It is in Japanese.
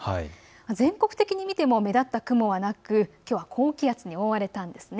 全国的に見ても目立った雲はなくきょうは高気圧に覆われたんです。